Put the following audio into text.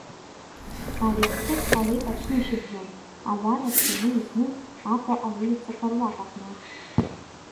Ари ахҭыс ҟалеит аҽнышьыбжьон, ауаа рацәаҩны изну Аҟәа аулицақәа руак аҟны.